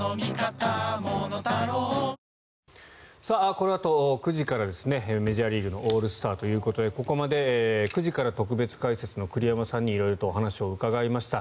このあと９時からメジャーリーグのオールスターということでここまで９時から特別解説の栗山さんに色々とお話を伺いました。